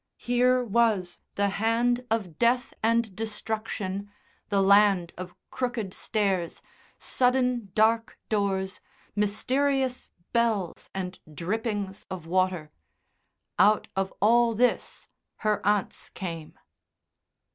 Here was the hand of death and destruction, the land of crooked stairs, sudden dark doors, mysterious bells and drippings of water out of all this her aunts came....